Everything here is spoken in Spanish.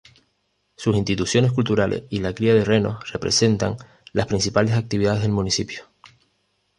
Sus instituciones culturales y la cría de renos representan las principales actividades del municipio.